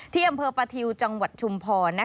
ที่อำเภอประทิวจังหวัดชุมพร